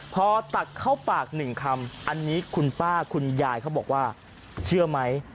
พอตักเข้าปากหนึ่งคำอันนี้คุณป้าคุณยายเขาบอกว่าเชื่อไหม